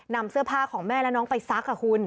นำเสื้อผ้าของแม่และน้องไปซักคุณ